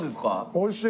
おいしい。